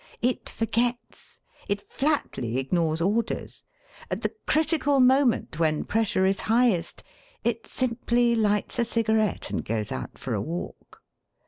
It forgets; it flatly ignores orders; at the critical moment when pressure is highest, it simply lights a cigarette and goes out for a walk.